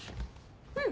うん。